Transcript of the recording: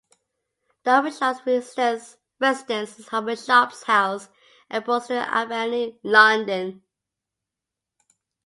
The Archbishop's residence is Archbishop's House, Ambrosden Avenue, London.